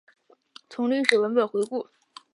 从历史文本回顾